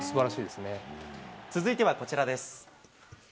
続いてはこちらです。